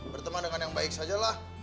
berteman dengan yang baik saja lah